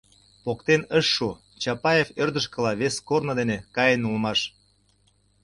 Поктен ыш шу, Чапаев ӧрдыжкыла, вес корно дене, каен улмаш.